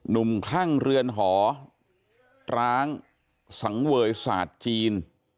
คลั่งเรือนหอร้างสังเวยศาสตร์จีน